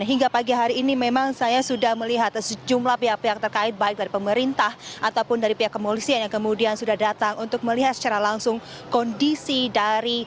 hingga pagi hari ini memang saya sudah melihat sejumlah pihak pihak terkait baik dari pemerintah ataupun dari pihak kepolisian yang kemudian sudah datang untuk melihat secara langsung kondisi dari